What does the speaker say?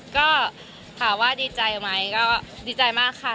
ก็ถามว่าดีใจไหมก็ดีใจมากค่ะ